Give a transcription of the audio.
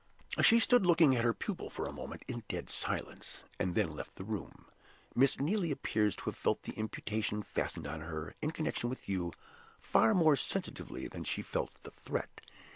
She stood looking at her pupil for a moment in dead silence, and then left the room. Miss Neelie appears to have felt the imputation fastened on her, in connection with you, far more sensitively than she felt the threat.